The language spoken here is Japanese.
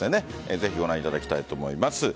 ぜひご覧いただきたいと思います。